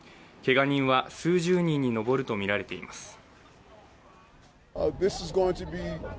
けが人は数十人に上るとみられています。